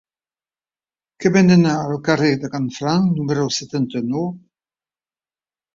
Què venen al carrer de Canfranc número setanta-nou?